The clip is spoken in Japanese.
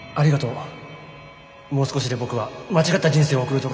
もう少しで僕は間違った人生を送るところだったよ。